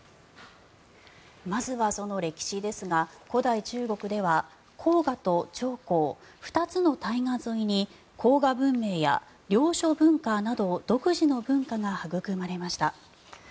まずはその歴史ですが古代中国では黄河と長江、２つの大河沿いに黄河文明や良渚文化など独自の文化がはぐくまれました。